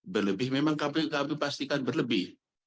berlebih memang kami pastikan berlebih